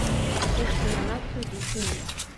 І кошты на нафту ідуць уніз.